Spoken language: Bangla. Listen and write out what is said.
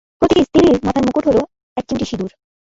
প্রতিটি স্ত্রীর মাথার মুকুট হলো, এক চিমটি সিদুর।